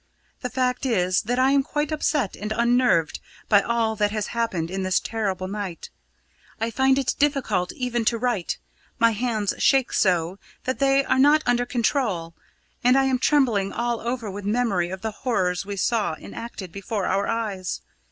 The fact is that I am quite upset and unnerved by all that has happened in this terrible night. I find it difficult even to write; my hands shake so that they are not under control, and I am trembling all over with memory of the horrors we saw enacted before our eyes.